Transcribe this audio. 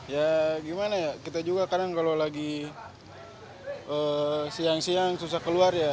ya gimana ya kita juga kadang kalau lagi siang siang susah keluar ya